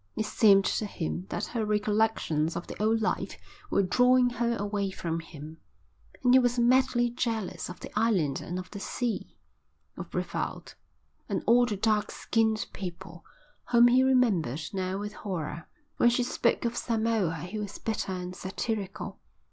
It seemed to him that her recollections of the old life were drawing her away from him, and he was madly jealous of the island and of the sea, of Brevald, and all the dark skinned people whom he remembered now with horror. When she spoke of Samoa he was bitter and satirical.